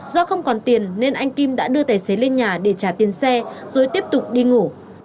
do không còn tiền nên anh kim đã đưa tài xế lên nhà để trả tiền xe rồi tiếp tục đi ngủ